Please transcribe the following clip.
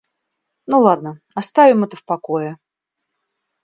Ну ладно, оставим это в покое.